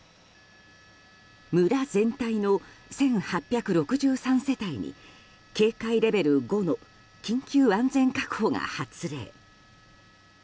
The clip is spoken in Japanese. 村全体の１８６３世帯に警戒レベル５の緊急安全確保が発令。